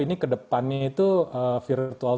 ini ke depannya itu virtual